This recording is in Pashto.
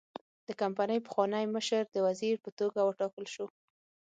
د کمپنۍ پخوانی مشر د وزیر په توګه وټاکل شو.